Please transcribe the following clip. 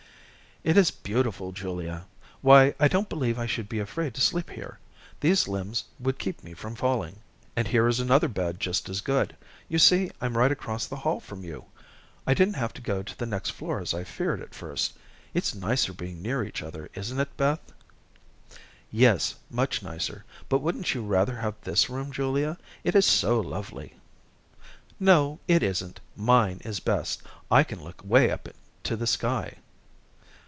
"It is beautiful, Julia. Why, I don't believe I should be afraid to sleep here. These limbs would keep me from falling." "And here is another bed just as good. You see I'm right across the hall from you. I didn't have to go to the next floor as I feared at first. It's nicer being near each other, isn't it, Beth?" "Yes, much nicer, but wouldn't you rather have this room, Julia? It is so lovely." "No, it isn't. Mine is best. I can look way up to the sky."